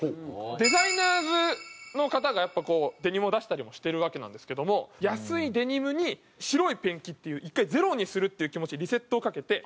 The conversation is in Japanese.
デザイナーの方がやっぱこうデニムを出したりもしてるわけなんですけども安いデニムに白いペンキっていう１回ゼロにするっていう気持ちでリセットをかけて。